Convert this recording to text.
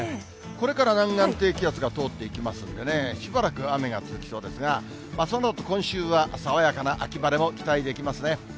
これから南岸低気圧が通っていきますんでね、しばらく雨が続きそうですが、そのあと、今週は爽やかな秋晴れも期待できますね。